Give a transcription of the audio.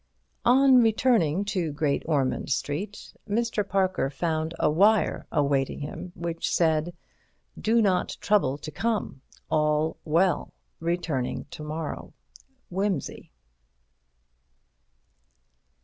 On returning to Great Ormond Street, Mr. Parker found a wire awaiting him, which said: "Do not trouble to come. All well. Returning to morrow. Wimsey."